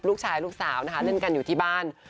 ลูกสาวลูกสาวนะคะเล่นกันอยู่ที่บ้าน